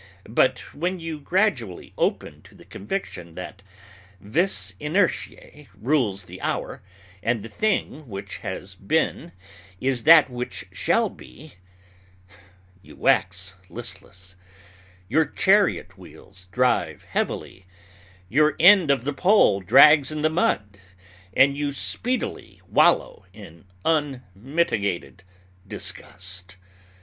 But when you gradually open to the conviction that vis inertiæ rules the hour, and the thing which has been is that which shall be, you wax listless; your chariot wheels drive heavily; your end of the pole drags in the mud, and you speedily wallow in unmitigated disgust.